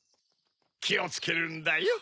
きをつけるんだよ。